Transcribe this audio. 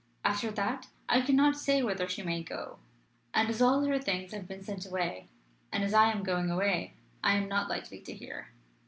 After that, I cannot say whither she may go. And, as all her things have been sent away, and as I am going away, I am not likely to hear."